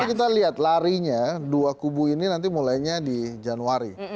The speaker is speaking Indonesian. tapi kita lihat larinya dua kubu ini nanti mulainya di januari